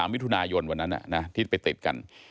๒๓วิทุณายนวันนั้นน่ะที่ไปติดกัน